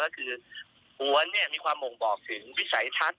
แล้วคือหัวเนี่ยมีความมงบอกถึงวิสัยทัศน์